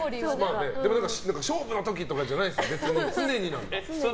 でも勝負の時とかじゃないですもんね。